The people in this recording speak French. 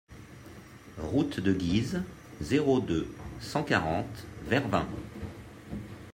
Route de Guise, zéro deux, cent quarante Vervins